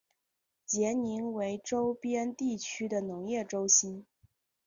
杰宁为周边地区的农业中心。